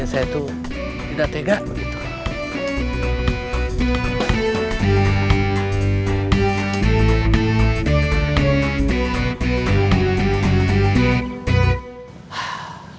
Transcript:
saya itu tidak tega begitu